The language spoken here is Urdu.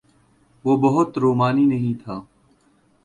وہ بہت رومانی نہیں تھا۔